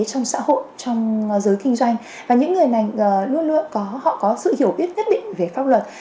trong xã hội trong giới kinh doanh và những người này luôn họ có sự hiểu biết nhất định về pháp luật